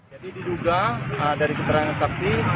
jadi di duga dari keterangan saksi